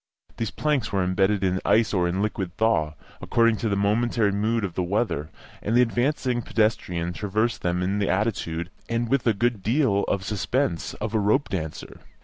These planks were embedded in ice or in liquid thaw, according to the momentary mood of the weather, and the advancing pedestrian traversed them in the attitude, and with a good deal of the suspense, of a rope dancer.